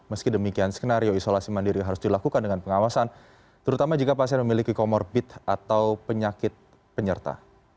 meski demikian skenario isolasi mandiri harus dilakukan dengan pengawasan terutama jika pasien memiliki comorbid atau penyakit penyerta